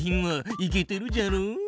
いけてるじゃろ？